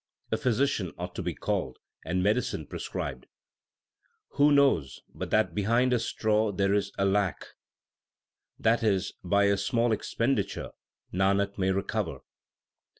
A physician ought to be called, and medicine prescribed. Who knows but that behind a straw there is a lakh ? that is, by a small expenditure Nanak may recover.